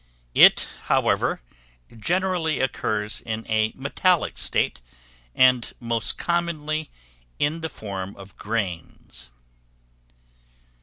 It, however, generally occurs in a metallic state, and most commonly in the form of grains.